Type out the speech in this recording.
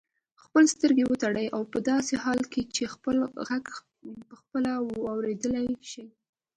خپلې سترګې وتړئ او په داسې حال کې چې خپل غږ پخپله واورېدلای شئ.